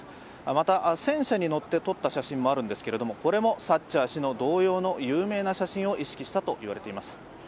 また戦車に乗って撮った写真もあるんですけれどもこれもサッチャー氏の同様の有名な写真を意識したといわれています。